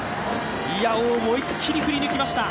思い切り振りにいきました。